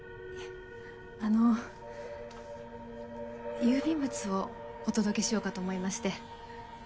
あの郵便物をお届けしようかと思いまして。